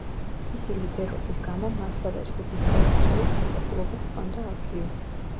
მისი ლიდერობის გამო მასსა და ჯგუფის წევრებს შორის დაძაბულობას ჰქონდა ადგილი.